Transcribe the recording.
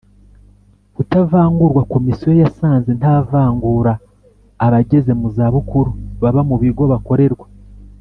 Kutavangurwa Komisiyo yasanze nta vangura abageze mu zabukuru baba mu bigo bakorerwa